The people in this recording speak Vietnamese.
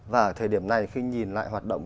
và thời điểm này khi nhìn lại hoạt động